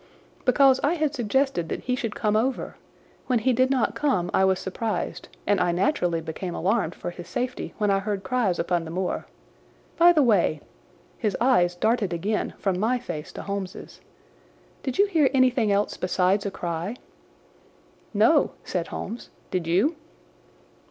"Because I had suggested that he should come over. When he did not come I was surprised, and I naturally became alarmed for his safety when I heard cries upon the moor. By the way"—his eyes darted again from my face to Holmes's—"did you hear anything else besides a cry?" "No," said Holmes; "did you?"